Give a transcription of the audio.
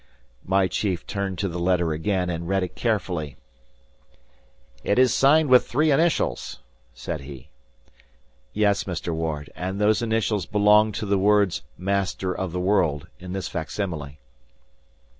My chief turned to the letter again and read it carefully. "It is signed with three initials," said he. "Yes, Mr. Ward, and those initials belong to the words, 'Master of the World,' in this facsimile."